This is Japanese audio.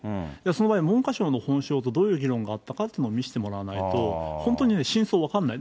その場合、文科省と本省とどういう議論があったかというのを見せてもらわないと、本当に真相分かんない。